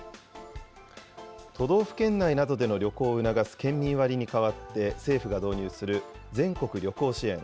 都道府県内などでの旅行を促す県民割に代わって、政府が導入する全国旅行支援。